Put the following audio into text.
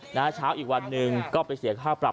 เหนือเช้าอีกวันนึงก็ไปเสียค่าปรับ